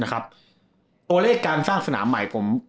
ตัวเลขการสร้างสนามใหม่